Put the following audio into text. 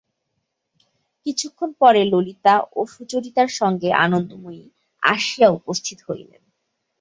কিছুক্ষণ পরে ললিতা ও সুচরিতার সঙ্গে আনন্দময়ী আসিয়া উপস্থিত হইলেন।